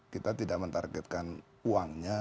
kita tidak mentargetkan uangnya